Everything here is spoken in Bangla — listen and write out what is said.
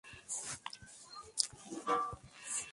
সত্যিই আমি ফেঁসে গেছি।